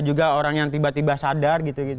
juga orang yang tiba tiba sadar gitu